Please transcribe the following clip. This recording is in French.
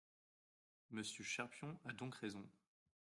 Monsieur Cherpion a donc raison.